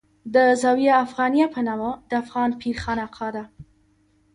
د زاویه افغانیه په نامه د افغان پیر خانقاه ده.